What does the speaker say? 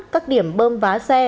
các điểm bơm vá xe